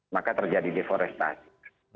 maka terjadi deforestasi